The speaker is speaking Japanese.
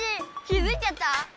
気付いちゃった？